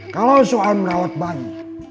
kalau soal merawat bayi